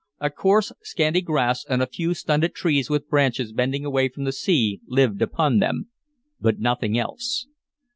A coarse, scanty grass and a few stunted trees with branches bending away from the sea lived upon them, but nothing else.